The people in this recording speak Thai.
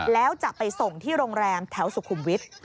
แล้วจะไปส่งที่โรงแรมแถวสุขุมวิทย์